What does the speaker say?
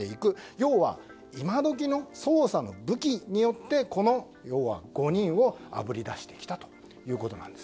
要は、今どきの捜査の武器によってこの５人をあぶりだしてきたということなんです。